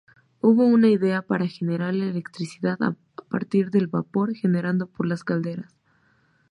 Hubo una idea para generar electricidad a partir del vapor generado por las calderas.